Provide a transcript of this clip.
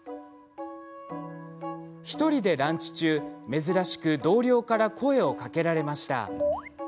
１人でランチ中、珍しく同僚から声をかけられました。